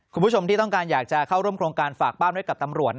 คุณผู้ชมที่ต้องการอยากจะเข้าร่วมโครงการฝากบ้านไว้กับตำรวจ